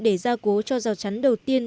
để gia cố cho rào chắn đầu tiên